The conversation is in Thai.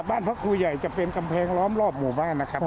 พระครูใหญ่จะเป็นกำแพงล้อมรอบหมู่บ้านนะครับ